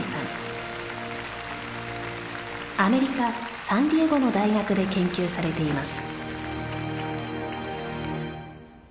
アメリカサンディエゴの大学で研究されています。